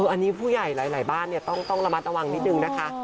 อันนี้ผู้ใหญ่หลายบ้านต้องระมัดระวังนิดนึงนะคะ